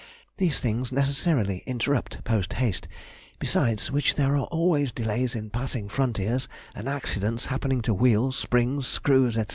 These things necessarily interrupt post haste, besides which there are always delays in passing frontiers, and accidents happening to wheels, springs, screws, &c.